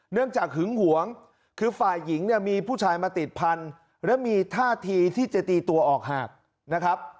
จากหึงหวงคือฝ่ายหญิงเนี่ยมีผู้ชายมาติดพันธุ์และมีท่าทีที่จะตีตัวออกหากนะครับ